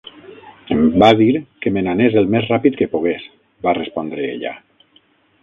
"Em va dir que me n'anés el més ràpid que pogués", va respondre ella.